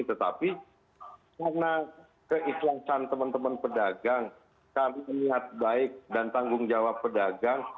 tetapi karena keikhlasan teman teman pedagang kami niat baik dan tanggung jawab pedagang